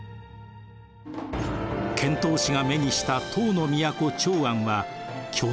遣唐使が目にした唐の都長安は巨大都市でした。